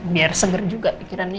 biar seger juga pikirannya